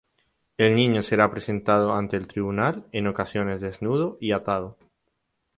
El niño será presentado ante el tribunal, en ocasiones desnudo y atado.